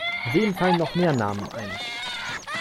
Wem fallen noch mehr Namen ein?